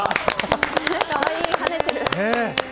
かわいい、跳ねてる。